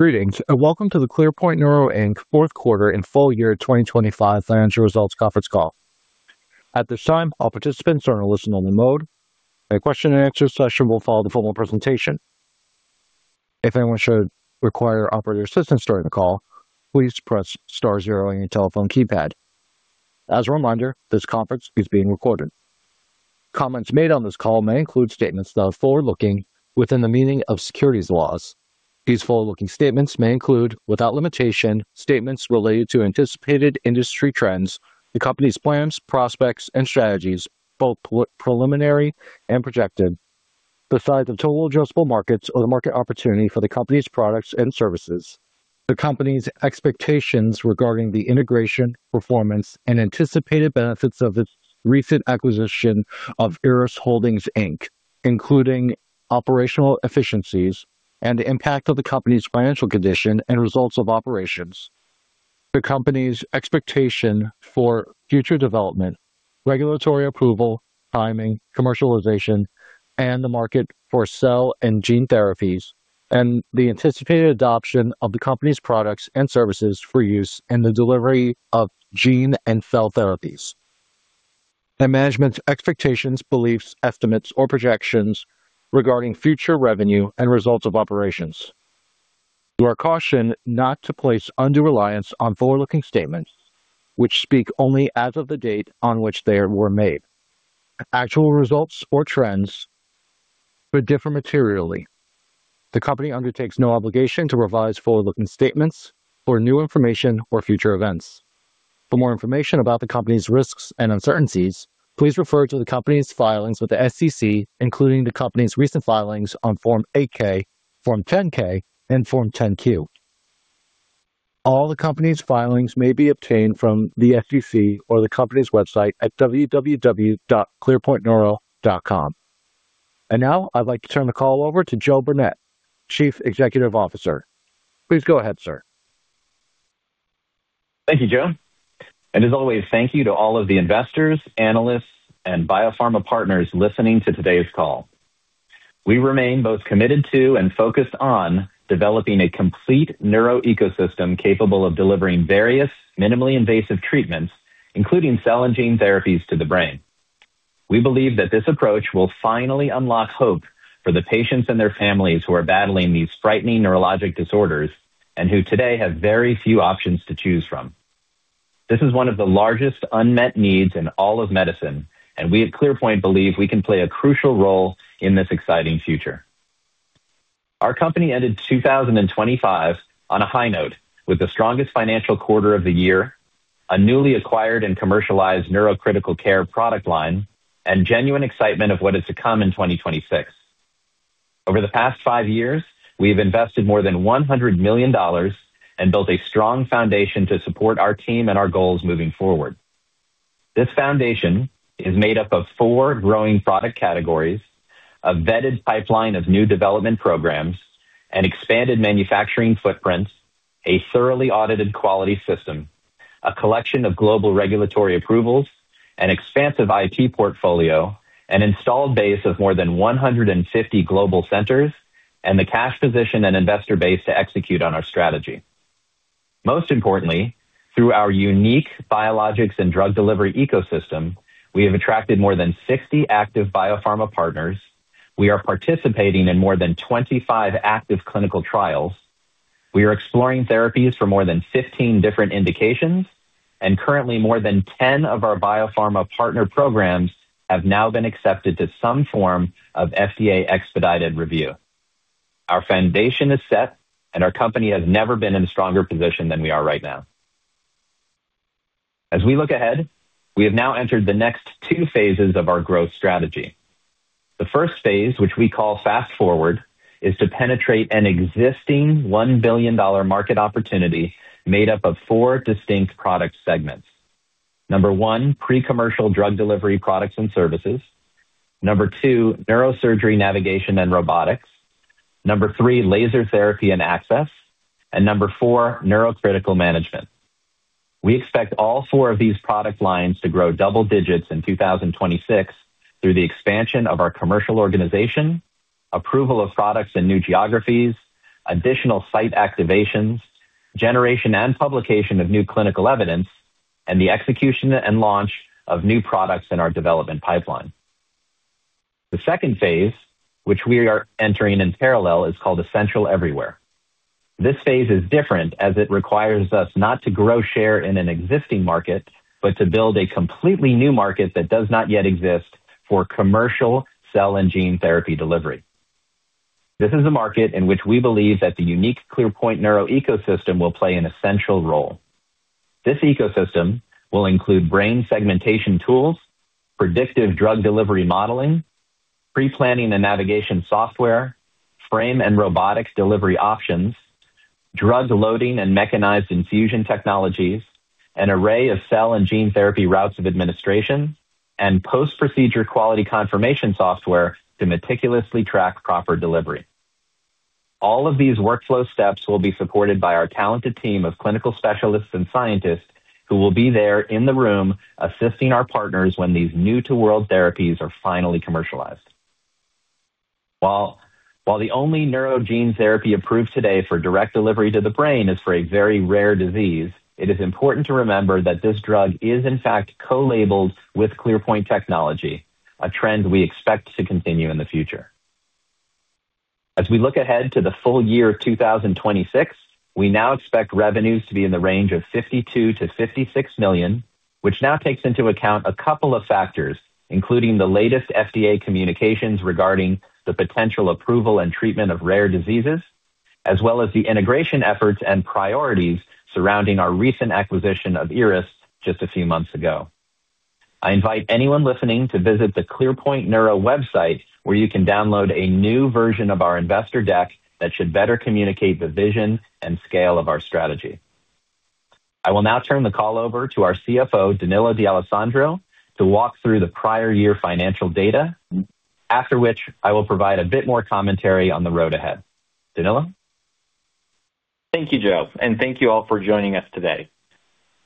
Greetings, and welcome to the ClearPoint Neuro, Inc. fourth quarter and full year 2025 financial results conference call. At this time, all participants are in a listen-only mode. A question and answer session will follow the formal presentation. If anyone should require operator assistance during the call, please press star zero on your telephone keypad. As a reminder, this conference is being recorded. Comments made on this call may include statements that are forward-looking within the meaning of securities laws. These forward-looking statements may include, without limitation, statements related to anticipated industry trends, the company's plans, prospects and strategies, both preliminary and projected, the size of total addressable markets or the market opportunity for the company's products and services, the company's expectations regarding the integration, performance, and anticipated benefits of its recent acquisition of IRRAS Holdings, Inc., including operational efficiencies and the impact of the company's financial condition and results of operations, the company's expectation for future development, regulatory approval, timing, commercialization, and the market for cell and gene therapies, and the anticipated adoption of the company's products and services for use in the delivery of gene and cell therapies, and management's expectations, beliefs, estimates, or projections regarding future revenue and results of operations. You are cautioned not to place undue reliance on forward-looking statements which speak only as of the date on which they were made. Actual results or trends could differ materially. The company undertakes no obligation to revise forward-looking statements for new information or future events. For more information about the company's risks and uncertainties, please refer to the company's filings with the SEC, including the company's recent filings on Form 8-K, Form 10-K, and Form 10-Q. All the company's filings may be obtained from the SEC or the company's website at www.clearpointneuro.com. Now I'd like to turn the call over to Joe Burnett, Chief Executive Officer. Please go ahead, sir. Thank you, Joe, and as always, thank you to all of the investors, analysts, and biopharma partners listening to today's call. We remain both committed to and focused on developing a complete neuro ecosystem capable of delivering various minimally invasive treatments, including cell and gene therapies to the brain. We believe that this approach will finally unlock hope for the patients and their families who are battling these frightening neurologic disorders and who today have very few options to choose from. This is one of the largest unmet needs in all of medicine, and we at ClearPoint believe we can play a crucial role in this exciting future. Our company ended 2025 on a high note with the strongest financial quarter of the year, a newly acquired and commercialized neurocritical care product line, and genuine excitement of what is to come in 2026. Over the past five years, we've invested more than $100 million and built a strong foundation to support our team and our goals moving forward. This foundation is made up of four growing product categories, a vetted pipeline of new development programs, an expanded manufacturing footprint, a thoroughly audited quality system, a collection of global regulatory approvals, an expansive IT portfolio, an installed base of more than 150 global centers, and the cash position and investor base to execute on our strategy. Most importantly, through our unique biologics and drug delivery ecosystem, we have attracted more than 60 active biopharma partners. We are participating in more than 25 active clinical trials. We are exploring therapies for more than 15 different indications. Currently more than 10 of our biopharma partner programs have now been accepted to some form of FDA expedited review. Our foundation is set, and our company has never been in a stronger position than we are right now. As we look ahead, we have now entered the next two phases of our growth strategy. The first phase, which we call Fast Forward, is to penetrate an existing $1 billion market opportunity made up of four distinct product segments. Number one, pre-commercial drug delivery products and services. Number two, neurosurgery navigation and robotics. Number three, laser therapy and access. And number four, neurocritical management. We expect all four of these product lines to grow double digits in 2026 through the expansion of our commercial organization, approval of products in new geographies, additional site activations, generation and publication of new clinical evidence, and the execution and launch of new products in our development pipeline. The second phase, which we are entering in parallel, is called Essential Everywhere. This phase is different as it requires us not to grow share in an existing market, but to build a completely new market that does not yet exist for commercial cell and gene therapy delivery. This is a market in which we believe that the unique ClearPoint Neuro ecosystem will play an essential role. This ecosystem will include brain segmentation tools, predictive drug delivery modeling, pre-planning and navigation software, frame and robotics delivery options, drug loading and mechanized infusion technologies, an array of cell and gene therapy routes of administration, and post-procedure quality confirmation software to meticulously track proper delivery. All of these workflow steps will be supported by our talented team of clinical specialists and scientists who will be there in the room assisting our partners when these new to world therapies are finally commercialized. The only neuro gene therapy approved today for direct delivery to the brain is for a very rare disease. It is important to remember that this drug is in fact co-labeled with ClearPoint technology, a trend we expect to continue in the future. As we look ahead to the full year 2026, we now expect revenues to be in the range of $52 million-$56 million, which now takes into account a couple of factors, including the latest FDA communications regarding the potential approval and treatment of rare diseases, as well as the integration efforts and priorities surrounding our recent acquisition of IRRAS just a few months ago. I invite anyone listening to visit the ClearPoint Neuro website, where you can download a new version of our investor deck that should better communicate the vision and scale of our strategy. I will now turn the call over to our CFO, Danilo D'Alessandro, to walk through the prior year financial data, after which I will provide a bit more commentary on the road ahead. Danilo. Thank you, Joe, and thank you all for joining us today.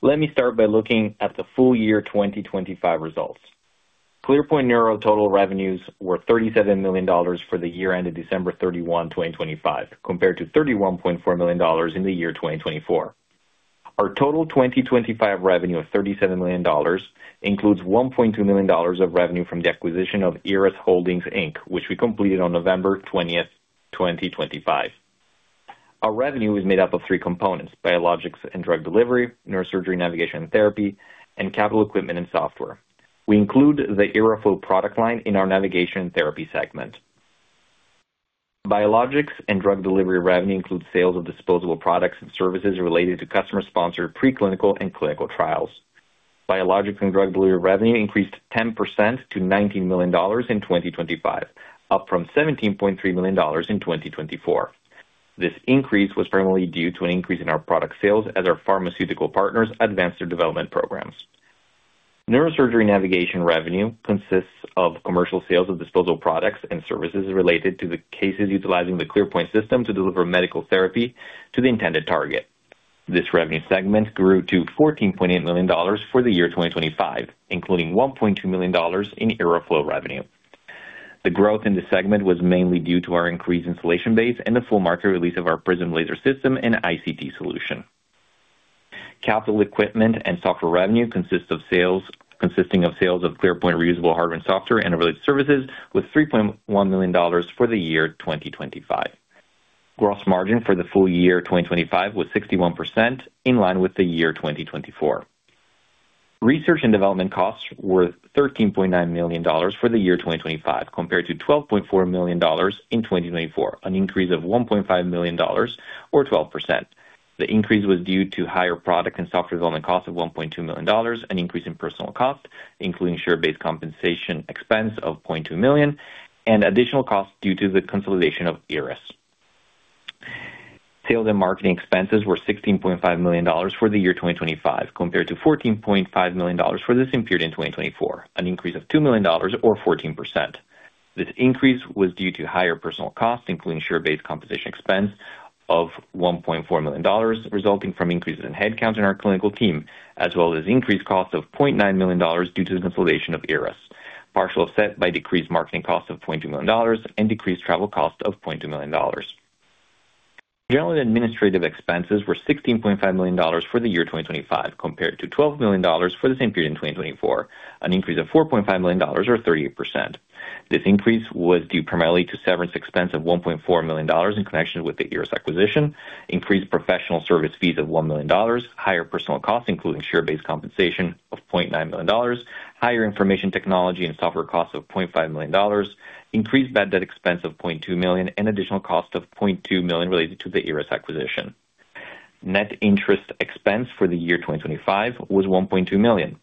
Let me start by looking at the full year 2025 results. ClearPoint Neuro total revenues were $37 million for the year end of December 31, 2025, compared to $31.4 million in the year 2024. Our total 2025 revenue of $37 million includes $1.2 million of revenue from the acquisition of IRRAS Holdings, Inc., which we completed on November 20, 2025. Our revenue is made up of three components, Biologics and Drug Delivery, neurosurgery navigation and therapy, and capital equipment and software. We include the IRRAS product line in our navigation therapy segment. Biologics and Drug Delivery revenue includes sales of disposable products and services related to customer sponsored pre-clinical and clinical trials. Biologics and Drug Delivery revenue increased 10% to $19 million in 2025, up from $17.3 million in 2024. This increase was primarily due to an increase in our product sales as our pharmaceutical partners advanced their development programs. Neurosurgery navigation revenue consists of commercial sales of disposable products and services related to the cases utilizing the ClearPoint system to deliver medical therapy to the intended target. This revenue segment grew to $14.8 million for the year 2025, including $1.2 million in IRRAflow revenue. The growth in this segment was mainly due to our increased installed base and the full market release of our Prism laser system and iCT solution. Capital equipment and software revenue consists of sales of ClearPoint reusable hardware and software and related services with $3.1 million for the year 2025. Gross margin for the full year 2025 was 61% in line with the year 2024. Research and development costs were $13.9 million for the year 2025 compared to $12.4 million in 2024, an increase of $1.5 million or 12%. The increase was due to higher product and software development costs of $1.2 million, an increase in personnel cost, including share-based compensation expense of $0.2 million, and additional costs due to the consolidation of IRRAS. Sales and marketing expenses were $16.5 million for the year 2025 compared to $14.5 million for the same period in 2024, an increase of $2 million or 14%. This increase was due to higher personnel costs, including share-based compensation expense of $1.4 million resulting from increases in headcount in our clinical team, as well as increased costs of $0.9 million due to the consolidation of IRRAS, partial offset by decreased marketing costs of $0.2 million and decreased travel costs of $0.2 million. General and administrative expenses were $16.5 million for the year 2025 compared to $12 million for the same period in 2024, an increase of $4.5 million or 38%. This increase was due primarily to severance expense of $1.4 million in connection with the IRRAS acquisition, increased professional service fees of $1 million, higher personnel costs, including share-based compensation of $0.9 million, higher information technology and software costs of $0.5 million, increased bad debt expense of $0.2 million, and additional cost of $0.2 million related to the IRRAS acquisition. Net interest expense for the year 2025 was $1.2 million.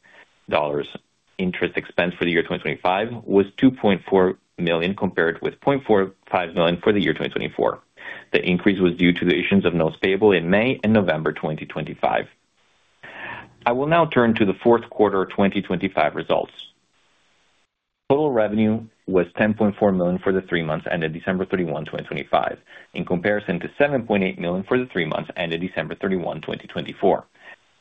Interest expense for the year 2025 was $2.4 million compared with $0.45 million for the year 2024. The increase was due to the issuance of notes payable in May and November 2025. I will now turn to the fourth quarter 2025 results. Total revenue was $10.4 million for the three months ended December 31, 2025, in comparison to $7.8 million for the three months ended December 31, 2024.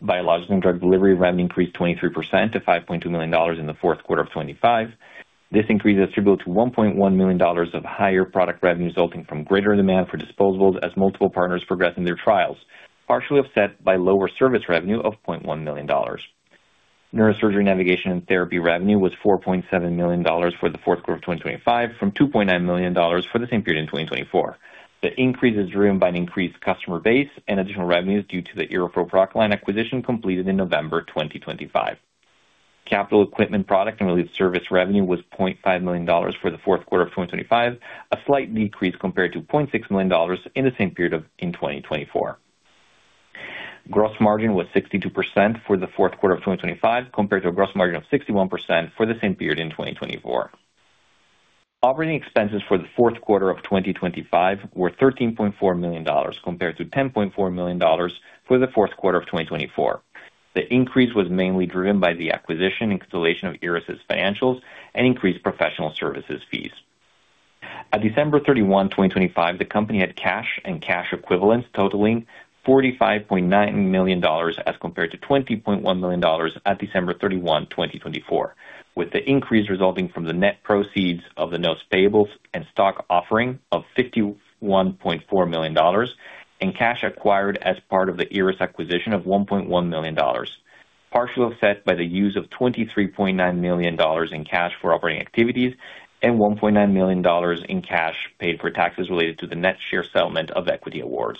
Biologics and Drug Delivery revenue increased 23% to $5.2 million in the fourth quarter of 2025. This increase attributable to $1.1 million of higher product revenue resulting from greater demand for disposables as multiple partners progress in their trials, partially offset by lower service revenue of $0.1 million. Neurosurgery Navigation and Therapy revenue was $4.7 million for the fourth quarter of 2025 from $2.9 million for the same period in 2024. The increase is driven by an increased customer base and additional revenues due to the IRRAS product line acquisition completed in November 2025. Capital equipment product and related service revenue was $0.5 million for the fourth quarter of 2025, a slight decrease compared to $0.6 million in the same period in 2024. Gross margin was 62% for the fourth quarter of 2025 compared to a gross margin of 61% for the same period in 2024. Operating expenses for the fourth quarter of 2025 were $13.4 million compared to $10.4 million for the fourth quarter of 2024. The increase was mainly driven by the acquisition and installation of IRRAS's financials and increased professional services fees. At December 31, 2025, the company had cash and cash equivalents totaling $45.9 million as compared to $20.1 million at December 31, 2024, with the increase resulting from the net proceeds of the notes payables and stock offering of $51.4 million and cash acquired as part of the IRRAS acquisition of $1.1 million, partially offset by the use of $23.9 million in cash for operating activities and $1.9 million in cash paid for taxes related to the net share settlement of equity awards.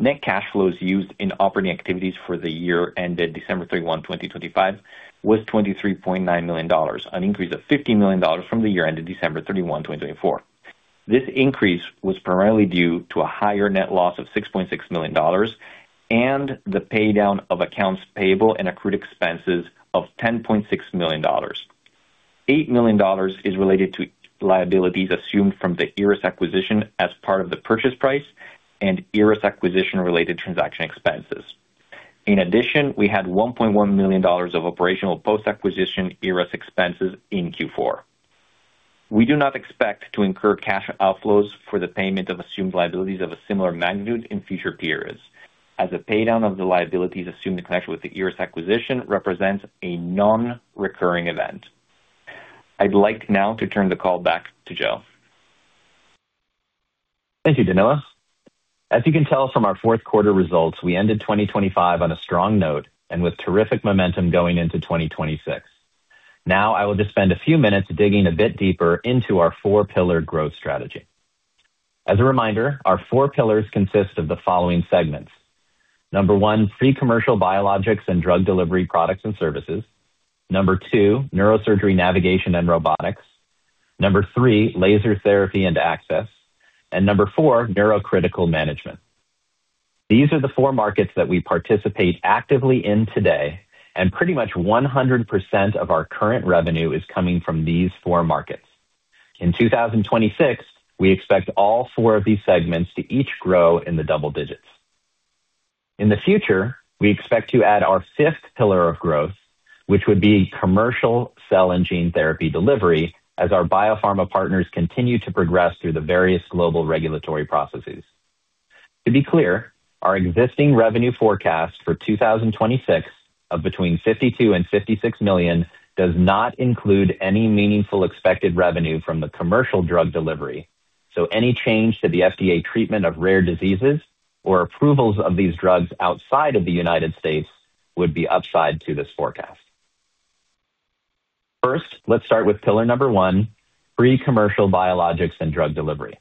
Net cash flows used in operating activities for the year ended December 31, 2025 was $23.9 million, an increase of $15 million from the year ended December 31, 2024. This increase was primarily due to a higher net loss of $6.6 million and the pay down of accounts payable and accrued expenses of $10.6 million. $8 million is related to liabilities assumed from the IRRAS acquisition as part of the purchase price and IRRAS acquisition-related transaction expenses. In addition, we had $1.1 million of operational post-acquisition IRRAS expenses in Q4. We do not expect to incur cash outflows for the payment of assumed liabilities of a similar magnitude in future periods as a pay down of the liabilities assumed in connection with the IRRAS acquisition represents a non-recurring event. I'd like now to turn the call back to Joe. Thank you, Danilo. As you can tell from our fourth quarter results, we ended 2025 on a strong note and with terrific momentum going into 2026. Now, I will just spend a few minutes digging a bit deeper into our four-pillared growth strategy. As a reminder, our four pillars consist of the following segments. Number one, pre-commercial biologics and drug delivery products and services. Number two, neurosurgery navigation and robotics. Number three, laser therapy and access. And number four, neurocritical management. These are the four markets that we participate actively in today, and pretty much 100% of our current revenue is coming from these four markets. In 2026, we expect all four of these segments to each grow in the double digits. In the future, we expect to add our fifth pillar of growth, which would be commercial cell and gene therapy delivery as our biopharma partners continue to progress through the various global regulatory processes. To be clear, our existing revenue forecast for 2026 of between $52 million-$56 million does not include any meaningful expected revenue from the commercial drug delivery. Any change to the FDA treatment of rare diseases or approvals of these drugs outside of the United States would be upside to this forecast. First, let's start with pillar number one, pre-commercial biologics and drug delivery.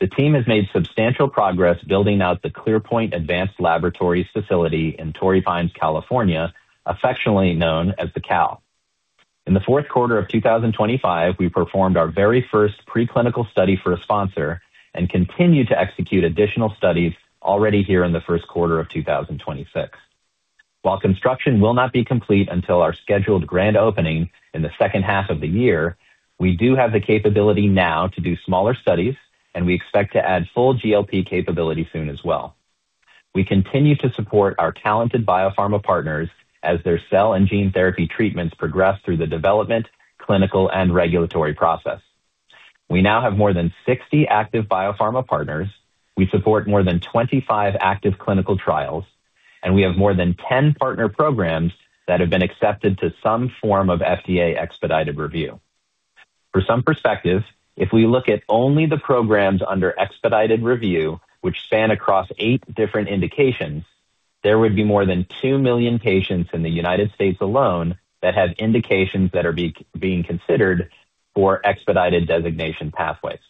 The team has made substantial progress building out the ClearPoint Advanced Laboratories facility in Torrey Pines, California, affectionately known as The Cal. In the fourth quarter of 2025, we performed our very first pre-clinical study for a sponsor and continue to execute additional studies already here in the first quarter of 2026. While construction will not be complete until our scheduled grand opening in the second half of the year, we do have the capability now to do smaller studies, and we expect to add full GLP capability soon as well. We continue to support our talented biopharma partners as their cell and gene therapy treatments progress through the development, clinical, and regulatory process. We now have more than 60 active biopharma partners. We support more than 25 active clinical trials, and we have more than 10 partner programs that have been accepted to some form of FDA expedited review. For some perspective, if we look at only the programs under expedited review, which span across eight different indications, there would be more than 2 million patients in the United States alone that have indications that are being considered for expedited designation pathways.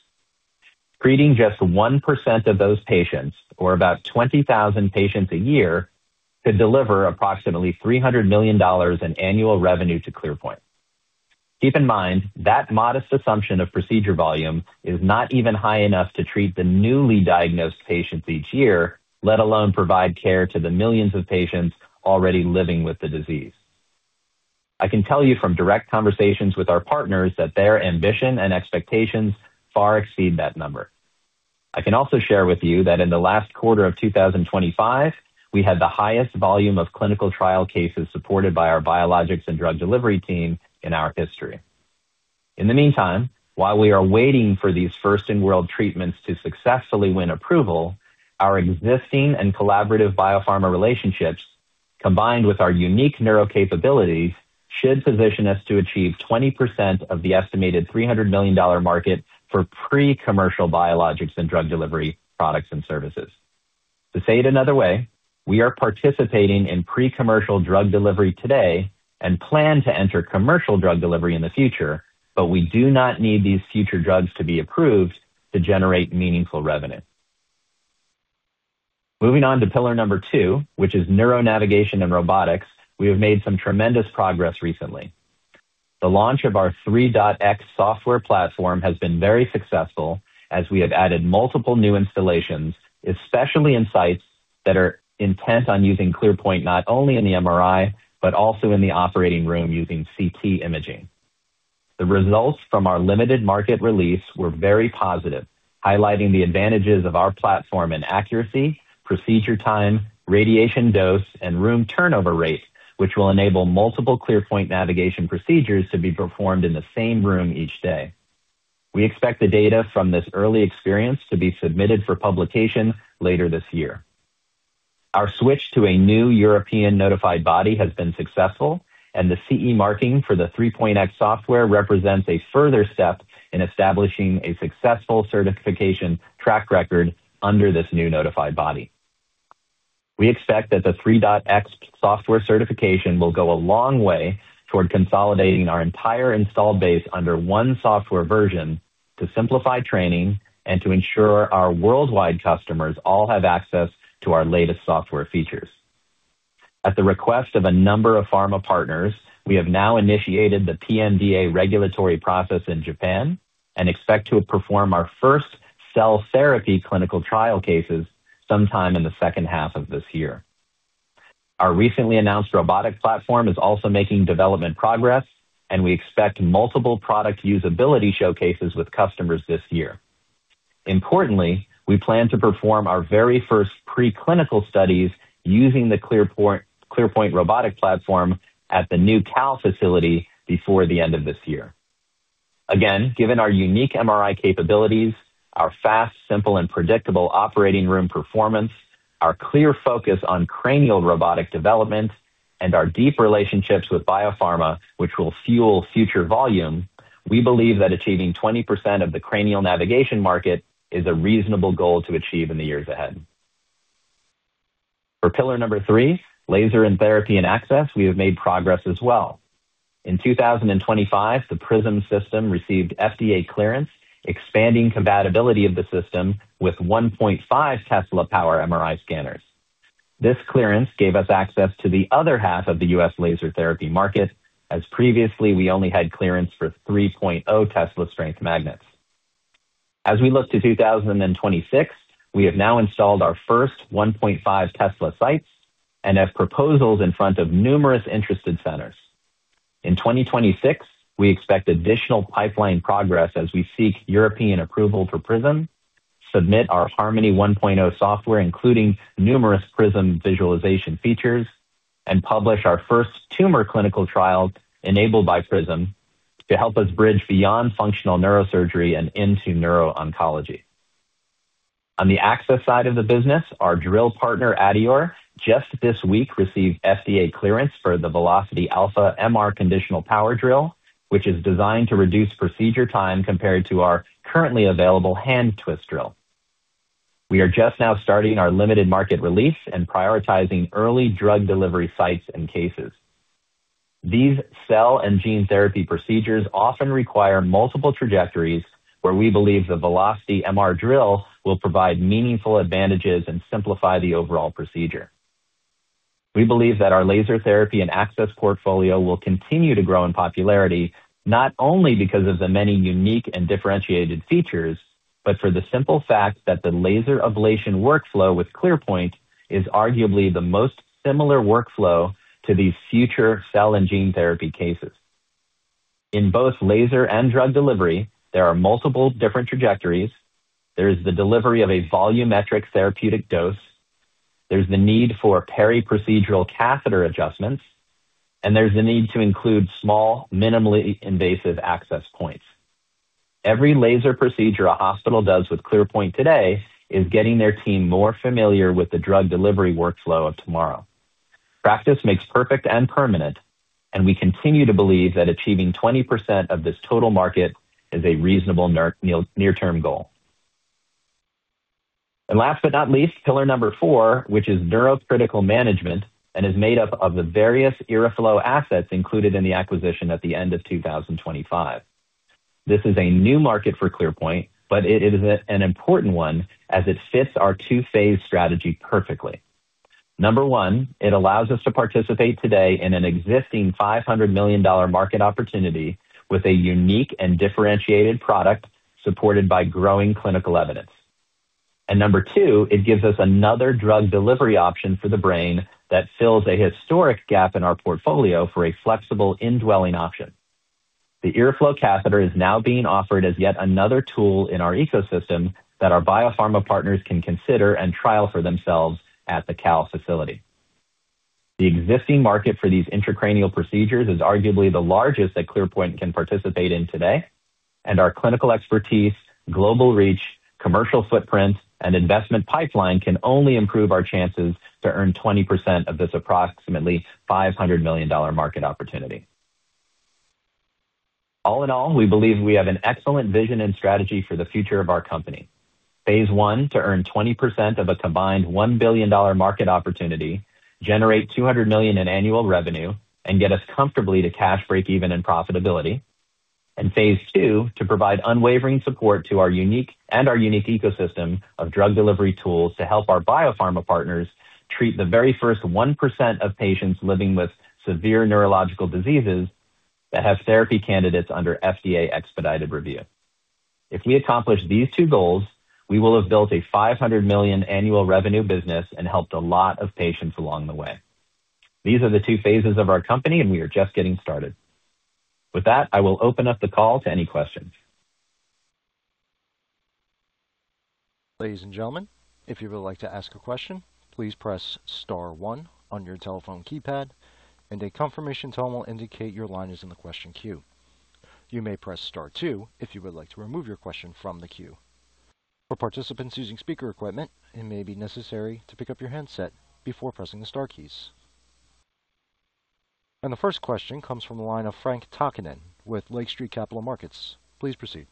Treating just 1% of those patients, or about 20,000 patients a year, could deliver approximately $300 million in annual revenue to ClearPoint. Keep in mind, that modest assumption of procedure volume is not even high enough to treat the newly diagnosed patients each year, let alone provide care to the millions of patients already living with the disease. I can tell you from direct conversations with our partners that their ambition and expectations far exceed that number. I can also share with you that in the last quarter of 2025, we had the highest volume of clinical trial cases supported by our Biologics and Drug Delivery team in our history. In the meantime, while we are waiting for these first-in-world treatments to successfully win approval, our existing and collaborative biopharma relationships, combined with our unique neurocapabilities, should position us to achieve 20% of the estimated $300 million market for pre-commercial biologics and drug delivery products and services. To say it another way, we are participating in pre-commercial drug delivery today and plan to enter commercial drug delivery in the future. We do not need these future drugs to be approved to generate meaningful revenue. Moving on to pillar number two, which is neuro navigation and robotics. We have made some tremendous progress recently. The launch of our ClearPoint 3.0 software platform has been very successful as we have added multiple new installations, especially in sites that are intent on using ClearPoint not only in the MRI but also in the operating room using CT imaging. The results from our limited market release were very positive, highlighting the advantages of our platform in accuracy, procedure time, radiation dose, and room turnover rate, which will enable multiple ClearPoint navigation procedures to be performed in the same room each day. We expect the data from this early experience to be submitted for publication later this year. Our switch to a new European notified body has been successful and the CE marking for the ClearPoint 3.0 software represents a further step in establishing a successful certification track record under this new notified body. We expect that the 3.X software certification will go a long way toward consolidating our entire installed base under one software version to simplify training and to ensure our worldwide customers all have access to our latest software features. At the request of a number of pharma partners, we have now initiated the PMDA regulatory process in Japan and expect to perform our first cell therapy clinical trial cases sometime in the second half of this year. Our recently announced robotic platform is also making development progress and we expect multiple product usability showcases with customers this year. Importantly, we plan to perform our very first pre-clinical studies using the ClearPoint Robotic platform at the new CAL facility before the end of this year. Again, given our unique MRI capabilities, our fast, simple and predictable operating room performance, our clear focus on cranial robotic development and our deep relationships with biopharma, which will fuel future volume, we believe that achieving 20% of the cranial navigation market is a reasonable goal to achieve in the years ahead. For pillar number 3, laser and therapy and access, we have made progress as well. In 2025, the Prism system received FDA clearance, expanding compatibility of the system with 1.5 Tesla powered MRI scanners. This clearance gave us access to the other half of the U.S. laser therapy market as previously we only had clearance for three Tesla strength magnets. As we look to 2026, we have now installed our first 1.5 Tesla sites and have proposals in front of numerous interested centers. In 2026, we expect additional pipeline progress as we seek European approval for Prism, submit our Harmony 1.0 software, including numerous Prism visualization features, and publish our first tumor clinical trial enabled by Prism to help us bridge beyond functional neurosurgery and into neuro-oncology. On the access side of the business, our drill partner adeor just this week received FDA clearance for the Velocity Alpha MR Conditional Power Drill, which is designed to reduce procedure time compared to our currently available hand twist drill. We are just now starting our limited market release and prioritizing early drug delivery sites and cases. These cell and gene therapy procedures often require multiple trajectories where we believe the Velocity MR Drill will provide meaningful advantages and simplify the overall procedure. We believe that our laser therapy and access portfolio will continue to grow in popularity not only because of the many unique and differentiated features, but for the simple fact that the laser ablation workflow with ClearPoint is arguably the most similar workflow to these future cell and gene therapy cases. In both laser and drug delivery, there are multiple different trajectories. There is the delivery of a volumetric therapeutic dose. There's the need for periprocedural catheter adjustments, and there's the need to include small, minimally invasive access points. Every laser procedure a hospital does with ClearPoint today is getting their team more familiar with the drug delivery workflow of tomorrow. Practice makes perfect and permanent, and we continue to believe that achieving 20% of this total market is a reasonable near-term goal. Last but not least, pillar number four, which is neurocritical management and is made up of the various IRRAflow assets included in the acquisition at the end of 2025. This is a new market for ClearPoint, but it is an important one as it fits our two-phase strategy perfectly. Number one, it allows us to participate today in an existing $500 million market opportunity with a unique and differentiated product supported by growing clinical evidence. Number two, it gives us another drug delivery option for the brain that fills a historic gap in our portfolio for a flexible indwelling option. The IRRAflow catheter is now being offered as yet another tool in our ecosystem that our biopharma partners can consider and trial for themselves at the CAL facility. The existing market for these intracranial procedures is arguably the largest that ClearPoint can participate in today. Our clinical expertise, global reach, commercial footprint and investment pipeline can only improve our chances to earn 20% of this approximately $500 million market opportunity. All in all, we believe we have an excellent vision and strategy for the future of our company. Phase I, to earn 20% of a combined $1 billion market opportunity, generate $200 million in annual revenue and get us comfortably to cash breakeven and profitability. Phase II, to provide unwavering support to our unique ecosystem of drug delivery tools to help our biopharma partners treat the very first 1% of patients living with severe neurological diseases that have therapy candidates under FDA expedited review. If we accomplish these two goals, we will have built a $500 million annual revenue business and helped a lot of patients along the way. These are the two phases of our company and we are just getting started. With that, I will open up the call to any questions. Ladies and gentlemen, if you would like to ask a question, please press star one on your telephone keypad and a confirmation tone will indicate your line is in the question queue. You may press star two if you would like to remove your question from the queue. For participants using speaker equipment, it may be necessary to pick up your handset before pressing the star keys. The first question comes from the line of Frank Takkinen with Lake Street Capital Markets. Please proceed.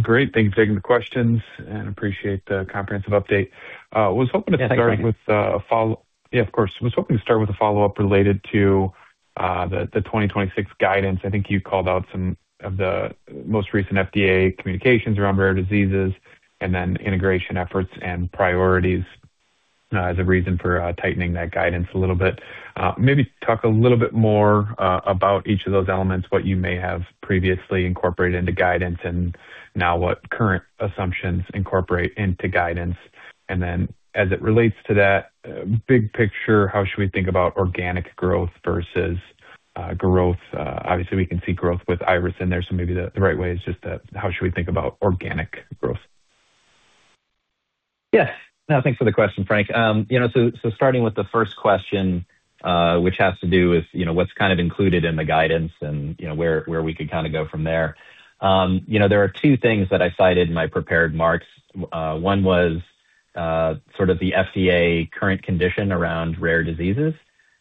Great. Thank you for taking the questions and appreciate the comprehensive update. Was hoping to start with a follow- Yeah, thanks. Yeah, of course. I was hoping to start with a follow-up related to the 2026 guidance. I think you called out some of the most recent FDA communications around rare diseases and then integration efforts and priorities as a reason for tightening that guidance a little bit. Maybe talk a little bit more about each of those elements, what you may have previously incorporated into guidance and now what current assumptions incorporate into guidance. Then as it relates to that big picture, how should we think about organic growth versus growth? Obviously we can see growth with IRRAS in there, so maybe the right way is just that how should we think about organic growth? Yeah. No, thanks for the question, Frank. You know, so starting with the first question, which has to do with, you know, what's kind of included in the guidance and, you know, where we could kind of go from there. You know, there are two things that I cited in my prepared remarks. One was sort of the FDA current condition around rare diseases,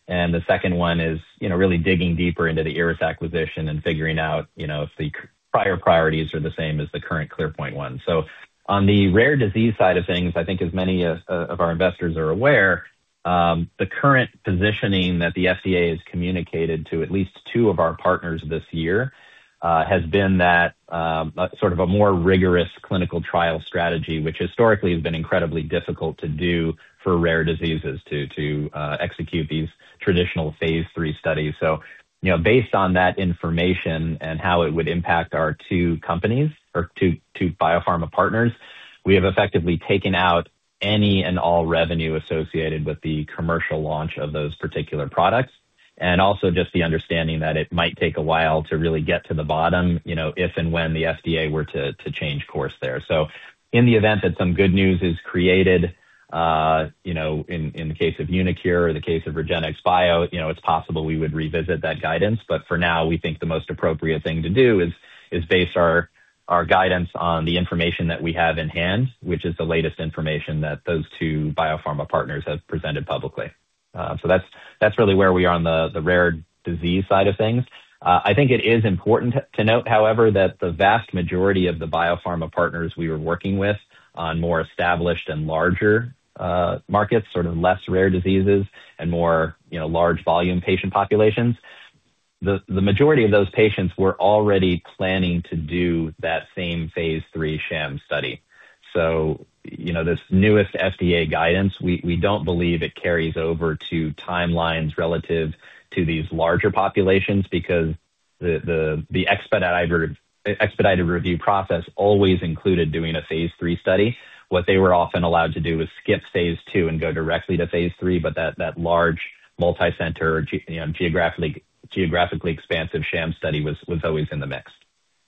and the second one is, you know, really digging deeper into the IRRAS acquisition and figuring out, you know, if the prior priorities are the same as the current ClearPoint one. On the rare disease side of things, I think as many of our investors are aware, the current positioning that the FDA has communicated to at least two of our partners this year has been that sort of a more rigorous clinical trial strategy, which historically has been incredibly difficult to do for rare diseases to execute these traditional phase III studies. You know, based on that information and how it would impact our two biopharma partners, we have effectively taken out any and all revenue associated with the commercial launch of those particular products. Also just the understanding that it might take a while to really get to the bottom, you know, if and when the FDA were to change course there. In the event that some good news is created, you know, in the case of uniQure or the case of REGENXBIO, you know, it's possible we would revisit that guidance. For now, we think the most appropriate thing to do is base our guidance on the information that we have in hand, which is the latest information that those two biopharma partners have presented publicly. That's really where we are on the rare disease side of things. I think it is important to note, however, that the vast majority of the biopharma partners we were working with on more established and larger markets, sort of less rare diseases and more, you know, large volume patient populations, the majority of those patients were already planning to do that same phase III sham study. You know, this newest FDA guidance, we don't believe it carries over to timelines relative to these larger populations because the expedited review process always included doing a phase III study. What they were often allowed to do was skip phase II and go directly to phase III, but that large multi-center, you know, geographically expansive sham study was always in the mix.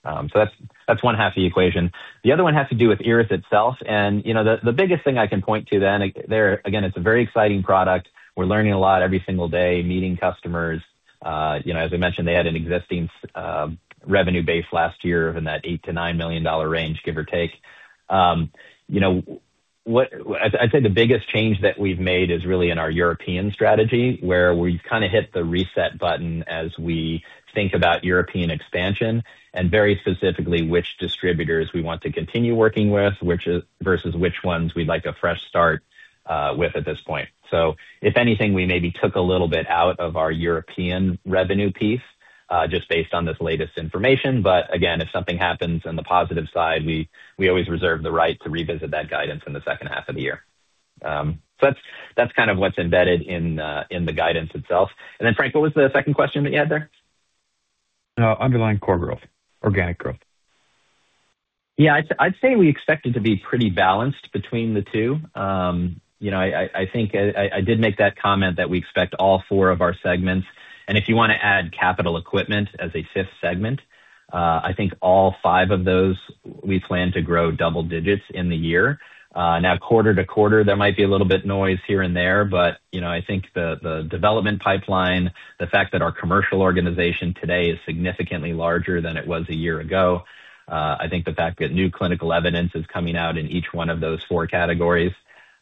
That's one half of the equation. The other one has to do with IRRAS itself. You know, the biggest thing I can point to then there again, it's a very exciting product. We're learning a lot every single day, meeting customers. You know, as I mentioned, they had an existing revenue base last year in that $8-$9 million range, give or take. You know, I'd say the biggest change that we've made is really in our European strategy, where we've kind of hit the reset button as we think about European expansion and very specifically, which distributors we want to continue working with versus which ones we'd like a fresh start with at this point. If anything, we maybe took a little bit out of our European revenue piece just based on this latest information. Again, if something happens on the positive side, we always reserve the right to revisit that guidance in the second half of the year. That's kind of what's embedded in the guidance itself. Frank, what was the second question that you had there? Underlying core growth. Organic growth. Yeah. I'd say we expect it to be pretty balanced between the two. You know, I think I did make that comment that we expect all four of our segments, and if you want to add capital equipment as a fifth segment, I think all five of those we plan to grow double digits in the year. Now quarter to quarter, there might be a little bit noise here and there, but, you know, I think the development pipeline, the fact that our commercial organization today is significantly larger than it was a year ago, I think the fact that new clinical evidence is coming out in each one of those four categories,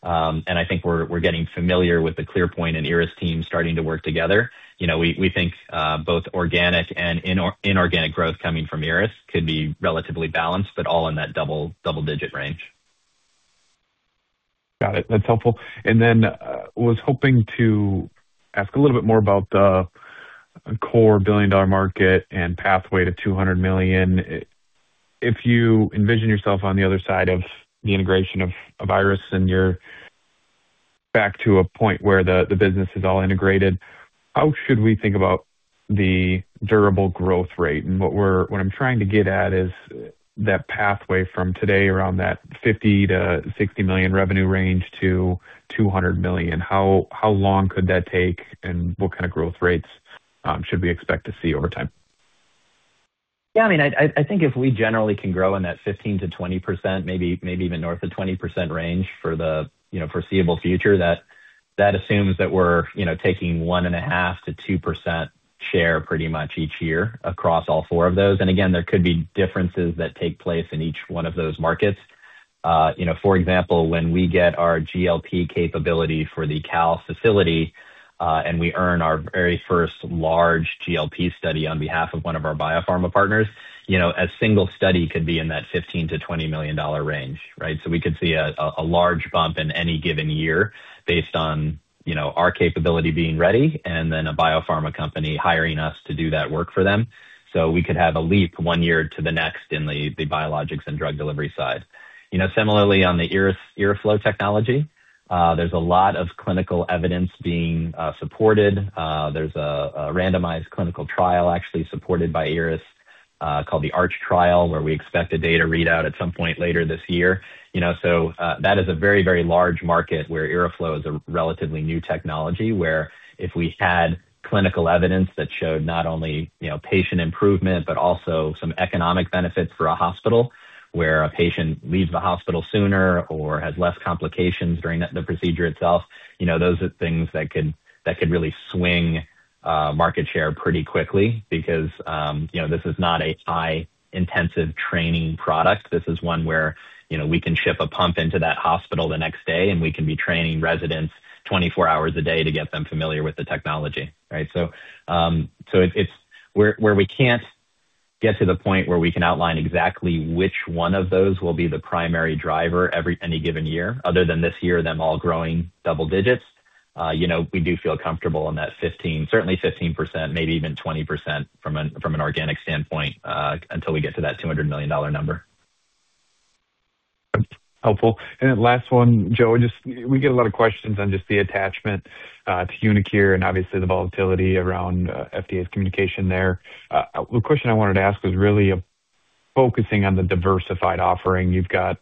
and I think we're getting familiar with the ClearPoint and IRRAS team starting to work together. You know, we think both organic and inorganic growth coming from IRRAS could be relatively balanced, but all in that double-digit range. Got it. That's helpful. Was hoping to ask a little bit more about the core billion-dollar market and pathway to $200 million. If you envision yourself on the other side of the integration of IRRAS and you're back to a point where the business is all integrated, how should we think about the durable growth rate? What I'm trying to get at is that pathway from today around that $50-$60 million revenue range to $200 million. How long could that take and what kind of growth rates should we expect to see over time? Yeah, I mean, I think if we generally can grow in that 15%-20%, maybe even north of 20% range for the, you know, foreseeable future, that assumes that we're, you know, taking 1.5%-2% share pretty much each year across all four of those. Again, there could be differences that take place in each one of those markets. You know, for example, when we get our GLP capability for the CAL facility, and we earn our very first large GLP study on behalf of one of our biopharma partners, you know, a single study could be in that $15-$20 million range, right? We could see a large bump in any given year based on, you know, our capability being ready and then a biopharma company hiring us to do that work for them. We could have a leap one year to the next in the biologics and drug delivery side. You know, similarly on the IRRAS, IRRAflow technology, there's a lot of clinical evidence being supported. There's a randomized clinical trial actually supported by IRRAS, called the ARCH trial, where we expect a data readout at some point later this year. You know, that is a very, very large market where IRRAflow is a relatively new technology, where if we had clinical evidence that showed not only, you know, patient improvement, but also some economic benefits for a hospital where a patient leaves the hospital sooner or has less complications during the procedure itself, you know, those are things that could really swing market share pretty quickly because, you know, this is not a high-intensity training product. This is one where, you know, we can ship a pump into that hospital the next day, and we can be training residents twenty-four hours a day to get them familiar with the technology, right? It's where we can't get to the point where we can outline exactly which one of those will be the primary driver in any given year, other than this year, them all growing double digits. You know, we do feel comfortable in that 15%, certainly 15%, maybe even 20% from an organic standpoint, until we get to that $200 million number. Helpful. Last one, Joe, just we get a lot of questions on just the attachment to uniQure and obviously the volatility around FDA's communication there. The question I wanted to ask was really focusing on the diversified offering. You've got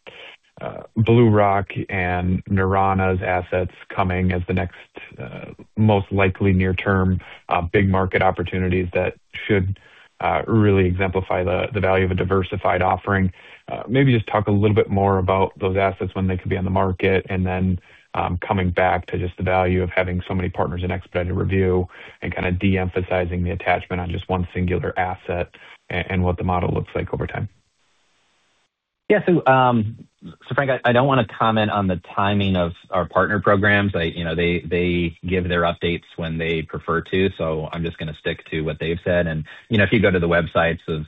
BlueRock and Neurona's assets coming as the next most likely near term big market opportunities that should really exemplify the value of a diversified offering. Maybe just talk a little bit more about those assets when they could be on the market. Coming back to just the value of having so many partners in expedited review and kind of de-emphasizing the attachment on just one singular asset and what the model looks like over time. Yeah. Frank, I don't want to comment on the timing of our partner programs. I you know they give their updates when they prefer to. I'm just going to stick to what they've said. You know if you go to the websites of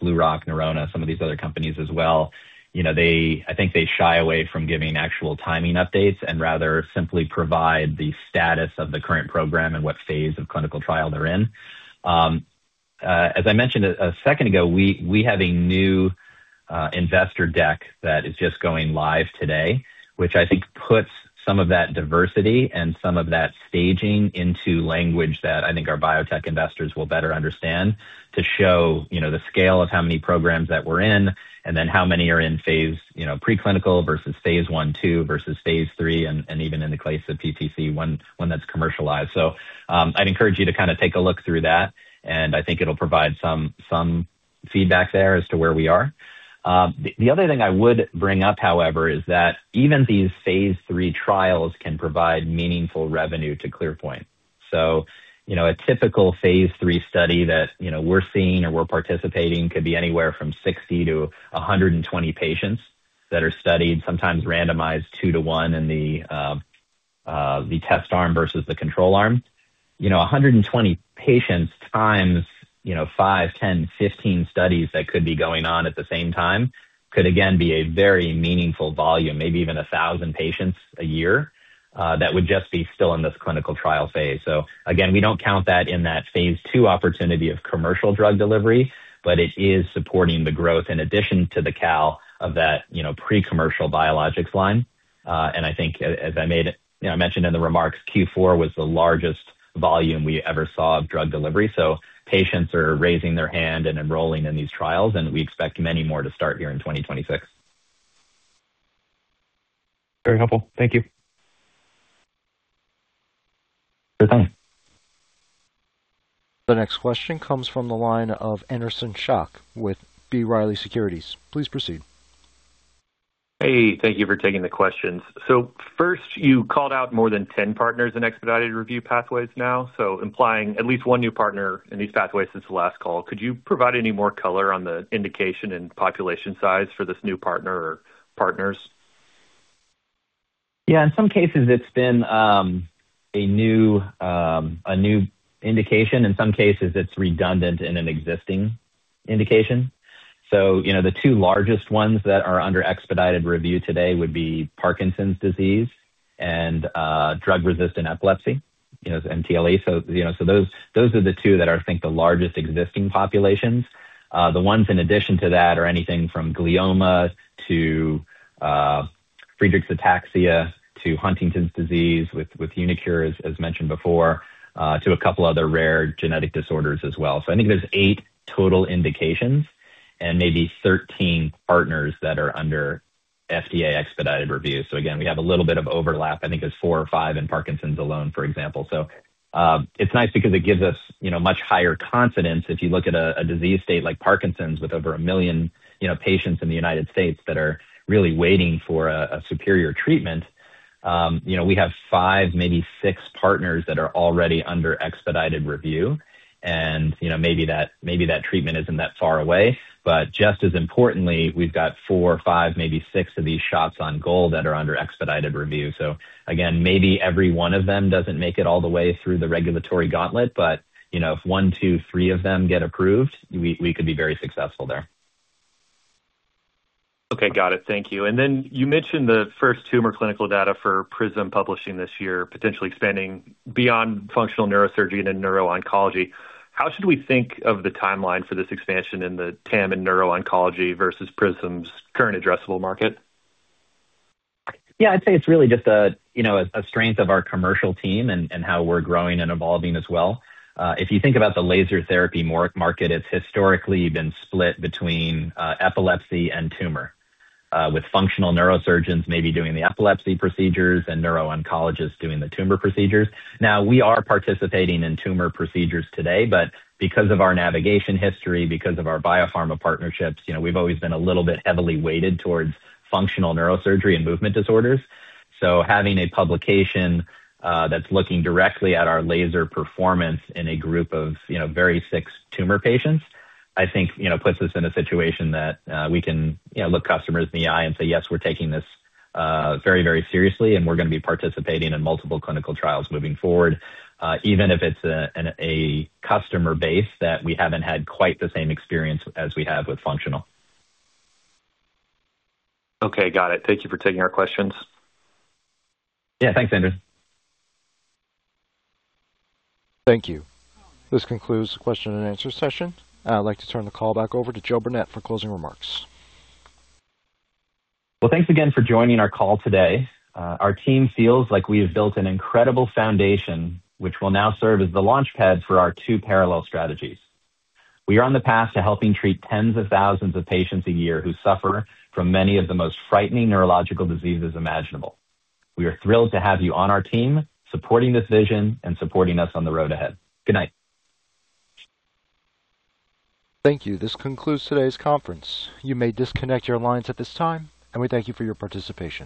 BlueRock, Neurona, some of these other companies as well, you know they I think they shy away from giving actual timing updates and rather simply provide the status of the current program and what phase of clinical trial they're in. As I mentioned a second ago, we have a new investor deck that is just going live today, which I think puts some of that diversity and some of that staging into language that I think our biotech investors will better understand to show, you know, the scale of how many programs that we're in and then how many are in phase, you know, preclinical versus phase I, II versus phase III, and even in the case of PTC, one that's commercialized. I'd encourage you to kind of take a look through that, and I think it'll provide some feedback there as to where we are. The other thing I would bring up, however, is that even these phase III trials can provide meaningful revenue to ClearPoint Neuro. You know, a typical phase III study that, you know, we're seeing or we're participating could be anywhere from 60-120 patients that are studied, sometimes randomized 2-1 in the test arm versus the control arm. You know, 120 patients times, you know, 5, 10, 15 studies that could be going on at the same time could again be a very meaningful volume, maybe even 1,000 patients a year, that would just be still in this clinical trial phase. Again, we don't count that in that phase II opportunity of commercial drug delivery, but it is supporting the growth in addition to the CAL of that, you know, pre-commercial biologics line. I think you know, I mentioned in the remarks, Q4 was the largest volume we ever saw of drug delivery. Patients are raising their hand and enrolling in these trials, and we expect many more to start here in 2026. Very helpful. Thank you. Sure thanks. The next question comes from the line of Anderson Schock with B. Riley Securities. Please proceed. Hey, thank you for taking the questions. First, you called out more than 10 partners in expedited review pathways now, so implying at least one new partner in these pathways since the last call. Could you provide any more color on the indication and population size for this new partner or partners? Yeah, in some cases it's been a new indication. In some cases it's redundant in an existing indication. You know, the two largest ones that are under expedited review today would be Parkinson's disease and drug resistant epilepsy, you know, MTLE. You know, those are the two that are, I think, the largest existing populations. The ones in addition to that are anything from glioma to Friedreich's ataxia to Huntington's disease with uniQure as mentioned before to a couple other rare genetic disorders as well. I think there's eight total indications. Maybe 13 partners that are under FDA expedited review. Again, we have a little bit of overlap, I think there's 4 or 5 in Parkinson's alone, for example. It's nice because it gives us, you know, much higher confidence. If you look at a disease state like Parkinson's with over 1 million, you know, patients in the United States that are really waiting for a superior treatment, you know, we have five, maybe six partners that are already under expedited review. You know, maybe that treatment isn't that far away. Just as importantly, we've got 4, 5, maybe 6 of these shots on goal that are under expedited review. Again, maybe every one of them doesn't make it all the way through the regulatory gauntlet, but, you know, if 1, 2, 3 of them get approved, we could be very successful there. Okay, got it. Thank you. You mentioned the first tumor clinical data for Prism publishing this year, potentially expanding beyond functional neurosurgery and in neuro-oncology. How should we think of the timeline for this expansion in the TAM and neuro-oncology versus Prism's current addressable market? Yeah, I'd say it's really just a, you know, a strength of our commercial team and how we're growing and evolving as well. If you think about the laser therapy market, it's historically been split between epilepsy and tumor, with functional neurosurgeons maybe doing the epilepsy procedures and neuro-oncologists doing the tumor procedures. Now, we are participating in tumor procedures today, but because of our navigation history, because of our biopharma partnerships, you know, we've always been a little bit heavily weighted towards functional neurosurgery and movement disorders. Having a publication that's looking directly at our laser performance in a group of, you know, very sick tumor patients, I think, you know, puts us in a situation that we can, you know, look customers in the eye and say, "Yes, we're taking this very, very seriously, and we're gonna be participating in multiple clinical trials moving forward," even if it's a customer base that we haven't had quite the same experience as we have with functional. Okay, got it. Thank you for taking our questions. Yeah, thanks, Andrew. Thank you. This concludes the question and answer session. I'd like to turn the call back over to Joe Burnett for closing remarks. Well, thanks again for joining our call today. Our team feels like we have built an incredible foundation, which will now serve as the launchpad for our two parallel strategies. We are on the path to helping treat tens of thousands of patients a year who suffer from many of the most frightening neurological diseases imaginable. We are thrilled to have you on our team supporting this vision and supporting us on the road ahead. Good night. Thank you. This concludes today's conference. You may disconnect your lines at this time, and we thank you for your participation.